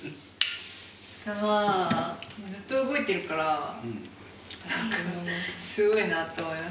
まあずっと動いてるからなんかすごいなと思います